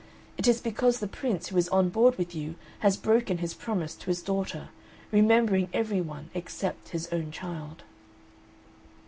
It is because the Prince who is on board with you has broken his promise to his daughter, remembering every one except his own child."